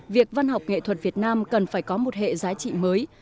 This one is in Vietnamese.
việc văn học nghệ thuật việt nam cần phải có một hệ giá trị mới